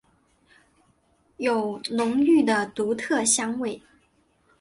有浓郁的独特香味。